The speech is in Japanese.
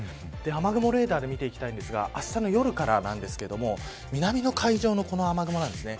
雨雲レーダーで見ていきたいんですがあしたの夜からなんですけど南の海上の雨雲なんですね。